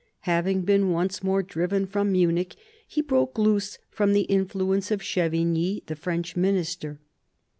Having been once more driven from Munich, he broke loose from the influence of Chevigny, the French minister.